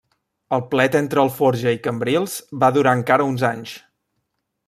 El plet entre Alforja i Cambrils va durar encara uns anys.